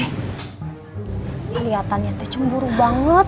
keliatannya tecemburu banget